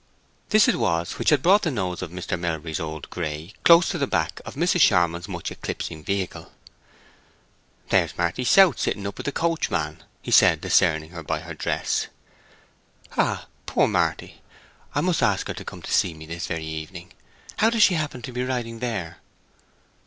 This it was which had brought the nose of Mr. Melbury's old gray close to the back of Mrs. Charmond's much eclipsing vehicle. "There's Marty South sitting up with the coachman," said he, discerning her by her dress. "Ah, poor Marty! I must ask her to come to see me this very evening. How does she happen to be riding there?"